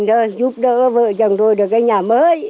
giúp đỡ vợ chồng tôi được cái nhà mới